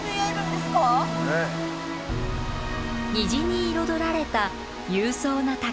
虹に彩られた勇壮な滝